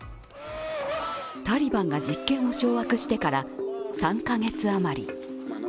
タリバンが実権を掌握してから３カ月余り。